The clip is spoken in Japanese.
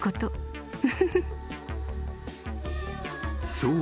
［そう。